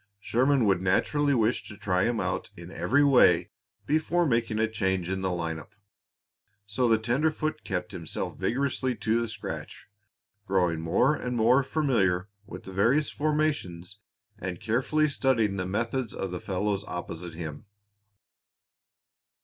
Sherman would naturally wish to try him out in every way before making a change in the line up. So the tenderfoot kept himself vigorously to the scratch, growing more and more familiar with the various formations and carefully studying the methods of the fellows opposite him.